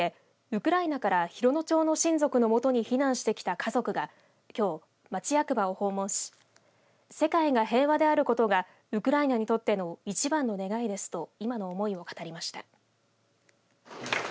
ウクライナから洋野町の親族のもとに避難してきた家族がきょう町役場を訪問し世界が平和であることがウクライナにとっての一番の願いですと今の思いを語りました。